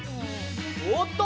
おっと！